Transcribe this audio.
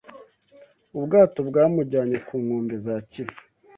Ubwato bwamujyanye ku nkombe za kivu